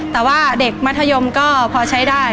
แต่ว่าเด็กมัธยมก็พอใช้ได้